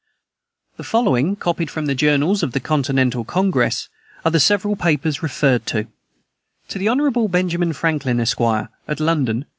The following, copied from the Journals of the Continental Congress, are the several papers referred to: "_To the Hon. Benjamin Franklin, Esq., at London.